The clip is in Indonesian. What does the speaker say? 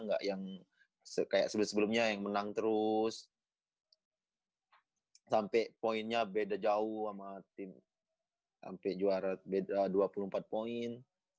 nggak yang kayak sebelumnya yang menang terus sampai poinnya beda jauh sama tim sampai juara beda dua puluh empat poin